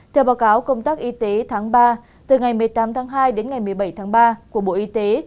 theo báo cáo công tác y tế tháng ba từ ngày một mươi tám tháng hai đến ngày một mươi bảy tháng ba của bộ y tế